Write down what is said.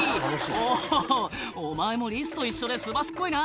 「おぉお前もリスと一緒ですばしっこいな」